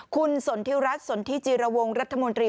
คุณสนทิรัฐสนทิจิรวงรัฐมนตรี